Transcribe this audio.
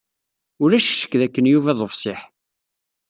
Ulac ccekk dakken Yuba d ufṣiḥ.